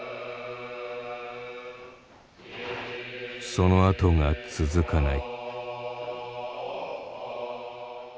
そのあとが続かない。